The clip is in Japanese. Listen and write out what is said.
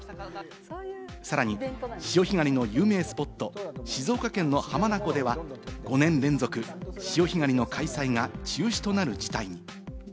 さらに潮干狩りの有名スポット、静岡県の浜名湖では５年連続、潮干狩りの開催が中止となる事態に。